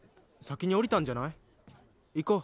先に降りたんじゃない？